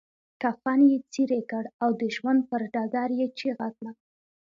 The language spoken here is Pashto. کفن يې څيري کړ او د ژوند پر ډګر يې چيغه کړه.